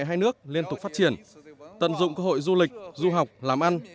quan hệ hai nước liên tục phát triển tận dụng cơ hội du lịch du học làm ăn